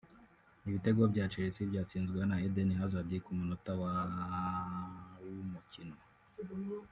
Ibitego bya Chelsea byatsinzwe na Eden Hazard ku munota wa ' w'umukino